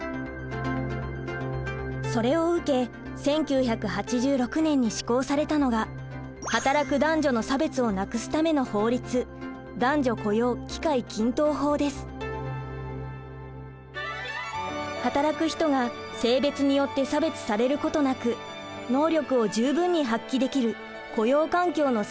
それを受け１９８６年に施行されたのが働く男女の差別をなくすための法律働く人が性別によって差別されることなく能力を十分に発揮できる雇用環境の整備が進められました。